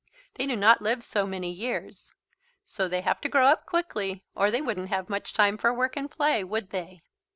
They do not live so many years. So they have to grow up quickly or they wouldn't have much time for work and play, would they?